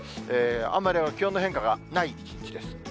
あまり気温の変化がない一日です。